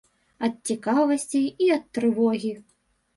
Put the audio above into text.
Ад цікавасці і ад трывогі.